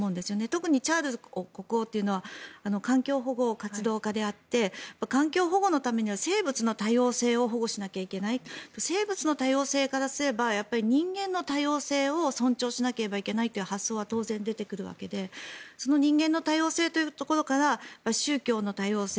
特にチャールズ国王というのは環境保護活動家であって環境保護のためには生物の多様性を保護しなきゃいけない生物の多様性からすれば人間の多様性を尊重しなければいけないという発想は当然出てくるわけでその人間の多様性というところから宗教の多様性